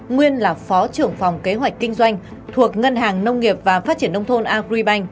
nguyên là phó trưởng phòng kế hoạch kinh doanh thuộc ngân hàng nông nghiệp và phát triển nông thôn agribank